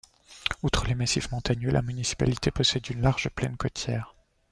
Outre les massifs montagneux, la municipalité possède une large plaine côtière.